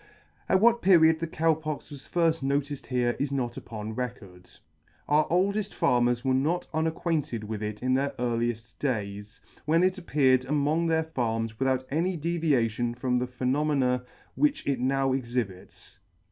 At what period the Cow Pox was firll: noticed here is not upon record. Our oldeft farmers were not unacquainted with it in their earlieft days, when it appeared among their farms without any deviation from the phenomena which it now exhibits.